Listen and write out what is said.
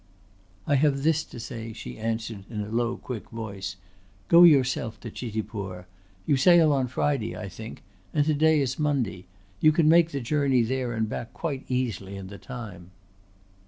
"I have this to say," she answered in a low quick voice. "Go yourself to Chitipur. You sail on Friday, I think? And to day is Monday. You can make the journey there and back quite easily in the time."